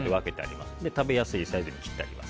食べやすいサイズに切ってあります。